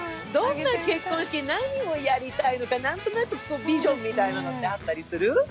どんな結婚式、何をやりたいのか、何となくビジョンみたいなのってあったりする？